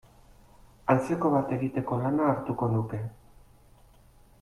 Antzeko bat egiteko lana hartuko nuke.